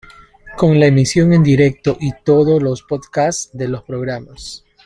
Con la emisión en directo y todos los podcasts de los programas.